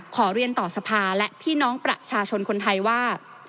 ขอเรียนต่อสภาและพี่น้องประชาชนคนไทยว่า